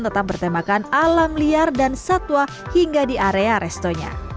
tetap bertemakan alam liar dan satwa hingga di area restonya